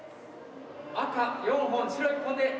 赤４本白１本で。